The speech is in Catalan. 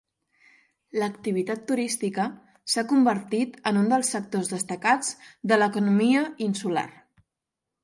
L'activitat turística s'ha convertit en un dels sectors destacats de l'economia insular.